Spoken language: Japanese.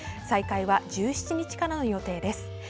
再開は１７日からの予定です。